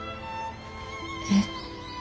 えっ？